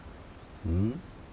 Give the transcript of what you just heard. うん？